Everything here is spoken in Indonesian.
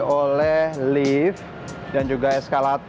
oh ini juga wireless